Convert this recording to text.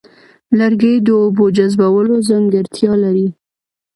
لرګي د اوبو جذبولو ځانګړتیا لري.